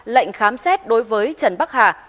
lệnh khám xét đối với trần bắc hà